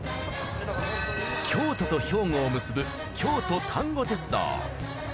京都と兵庫を結ぶ京都丹後鉄道。